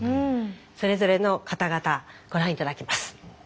それぞれの方々ご覧頂きます。